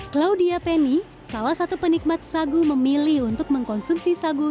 claudia penny salah satu penikmat sagu memilih untuk mengkonsumsi sagu